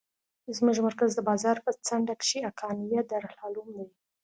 زموږ مرکز د بازار په څنډه کښې حقانيه دارالعلوم دى.